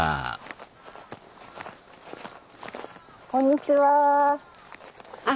あこんにちは。